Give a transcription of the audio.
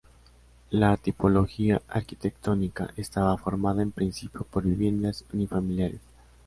La tipología arquitectónica estaba formada en principio por viviendas unifamiliares.